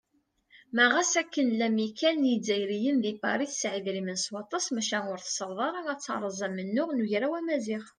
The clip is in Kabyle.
Ma ɣas akken lamikkal n yizzayriyen di Pari tesɛa idrimen s waṭas, maca ur tessaweḍ ara ad teṛṛez amennuɣ n Ugraw Amaziɣ.